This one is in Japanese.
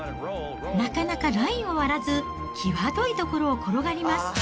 なかなかラインを割らず、際どい所を転がります。